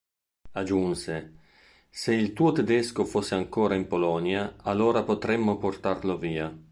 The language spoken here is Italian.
Aggiunse, "Se il tuo tedesco fosse ancora in Polonia, allora potremmo portarlo via.